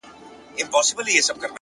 ه ژوند به دي خراب سي داسي مه كــوه تـه;